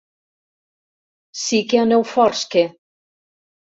Sí que aneu forts que.